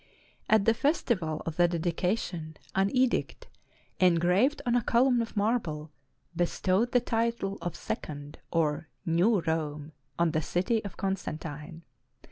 At the festival of the dedi cation, an edict, engraved on a column of marble, be stowed the title of Second or New Rome on the city of Constantine.